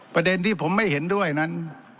ประเด็นที่ผมไม่เห็นด้วยนั้น